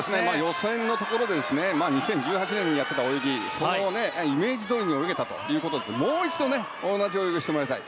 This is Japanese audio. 予選のところで２０１８年にやっていた泳ぎそのイメージどおりに泳げたということなのでもう一度同じ泳ぎをしてもらいたい。